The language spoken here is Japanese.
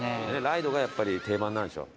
ライドがやっぱり定番なんでしょ。